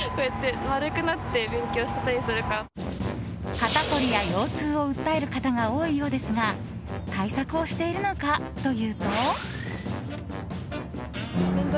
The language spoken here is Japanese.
肩凝りや腰痛を訴える方が多いようですが対策をしているのかというと。